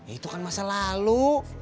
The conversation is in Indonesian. itu kan masa lalu